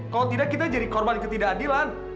kalau tidak kita jadi korban ketidakadilan